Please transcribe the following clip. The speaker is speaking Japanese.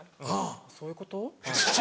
そういうこと？